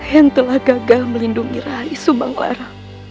yang telah gagal melindungi rahai subang lara